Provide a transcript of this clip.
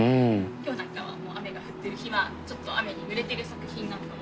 今日なんかは雨が降ってる日はちょっと雨にぬれてる作品なんかも。